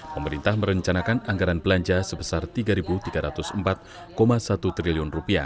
pemerintah merencanakan anggaran belanja sebesar rp tiga tiga ratus empat satu triliun